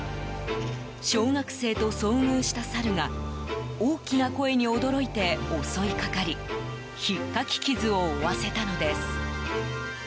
小学生と遭遇したサルが大きな声に驚いて襲いかかりひっかき傷を負わせたのです。